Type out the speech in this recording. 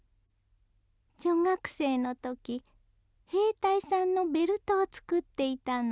女学生の時兵隊さんのベルトを作っていたの。